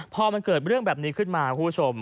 พอมันเกิดเรื่องแบบนี้ขึ้นมาคุณผู้ชม